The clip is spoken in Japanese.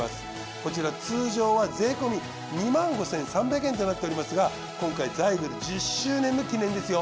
こちら通常は税込２５，３００円となっておりますが今回ザイグル１０周年の記念ですよ。